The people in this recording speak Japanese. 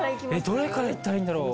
どれからいったらいいんだろう？